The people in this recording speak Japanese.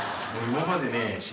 今までね。